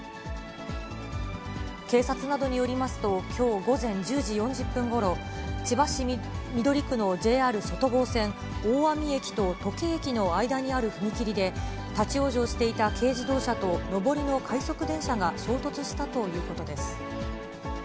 警察などによりますと、きょう午前１０時４０分ごろ、千葉市緑区のＪＲ外房線大網駅と土気駅の間にある踏切で、立往生していた軽自動車と上りの快速電車が衝突したということです。